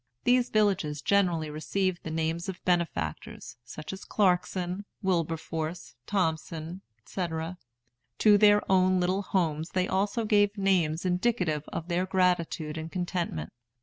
These villages generally received the names of benefactors, such as Clarkson, Wilberforce, Thompson, &c. To their own little homes they also gave names indicative of their gratitude and contentment.